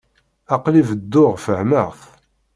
Aql-i bedduɣ fehhmeɣ-t.